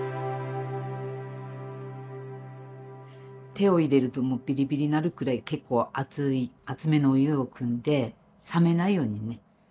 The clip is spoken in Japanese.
手を入れるともうビリビリになるくらい結構熱い熱めのお湯をくんで冷めないようにね。